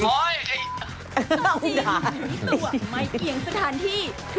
โอ้ยไอ้